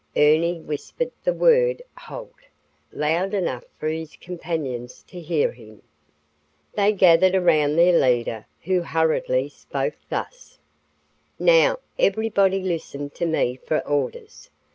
Ernie whispered the word "Halt" loud enough for his companions to hear him. They gathered around their leader, who hurriedly spoke thus: "Now, everybody listen to me for orders.